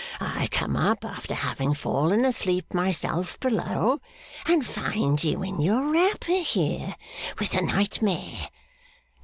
I come up, after having fallen asleep myself, below, and find you in your wrapper here, with the nightmare.